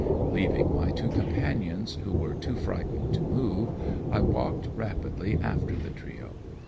Leaving my two companions, who were too frightened to move, I walked rapidly after the trio.